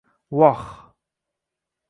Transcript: Voh